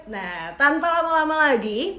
nah tanpa lama lama lagi